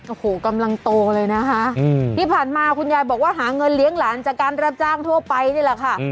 โอ้โหกำลังโตเลยนะคะที่ผ่านมาคุณยายบอกว่าหาเงินเลี้ยงหลานจากการรับจ้างทั่วไปนี่แหละค่ะ